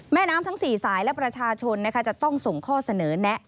แม่น้ำทั้ง๔สายและประชาชนจะต้องส่งข้อเสนอแนะ